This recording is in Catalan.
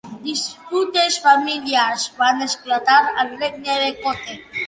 Disputes familiars van esclatar al regne de Kotte.